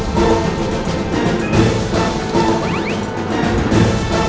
นี่ถึงออกได้มาก